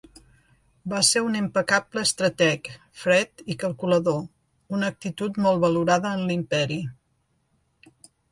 Va ser un impecable estrateg, fred i calculador, una actitud molt valorada en l'Imperi.